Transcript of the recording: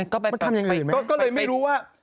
ก็เลยไม่รู้ว่า